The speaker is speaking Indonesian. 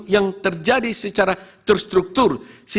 yang terjadi secara terstruktur